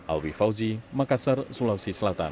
alwi fauzi makassar sulawesi selatan